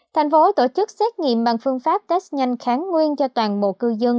tp tổ chức xét nghiệm bằng phương pháp test nhanh kháng nguyên cho toàn bộ cư dân